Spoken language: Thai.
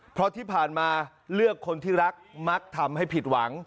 เพราะที่ผ่านมาเลือกคนที่รักมักทำให้ผิดหวัง